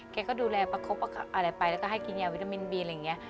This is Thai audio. แกก็ดูแลประคบอะไรไปแล้วก็ให้กินยาวิตามินบีอะไรอย่างนี้